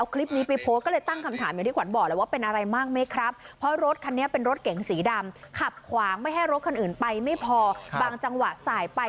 คลิปนี้ก็คำถามว่าจะต้องมีใครที่จะขับน้ำมันใครจะต้องไปหน่อยค่ะ